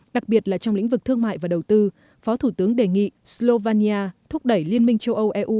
đặc biệt là trong lĩnh vực thương mại và đầu tư phó thủ tướng đề nghị slovenia thúc đẩy liên minh châu âu eu